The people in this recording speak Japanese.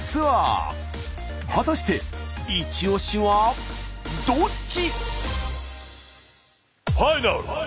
果たしてイチオシはどっち？